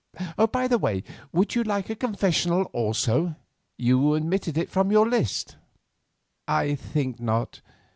By the way, would you like a confessional also? You omitted it from the list." "I think not.